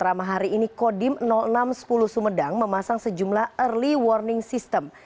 rama hari ini kodim enam ratus sepuluh sumedang memasang sejumlah early warning system